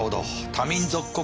多民族国家